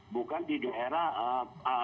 bukan di daerah landasan kampung